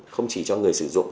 không chỉ cho người sử dụng